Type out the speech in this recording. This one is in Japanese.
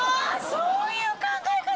そういう考え方！